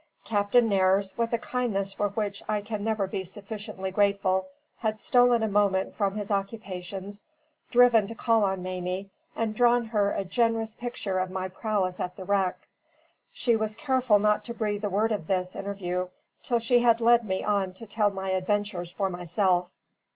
Captain Nares, with a kindness for which I can never be sufficiently grateful, had stolen a moment from his occupations, driven to call on Mamie, and drawn her a generous picture of my prowess at the wreck. She was careful not to breathe a word of this interview, till she had led me on to tell my adventures for myself.